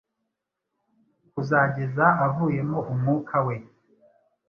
kuzageza avuyemo umwuka we